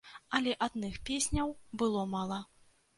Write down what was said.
Але адных песняў было мала.